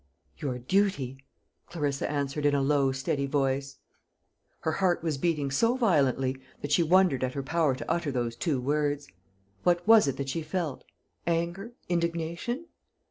"Your duty," Clarissa answered, in a low steady voice. Her heart was beating so violently that she wondered at her power to utter those two words. What was it that she felt anger, indignation?